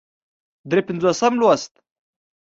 درې پينځوسم لوست